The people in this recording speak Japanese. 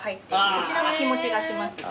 こちらは日持ちがします。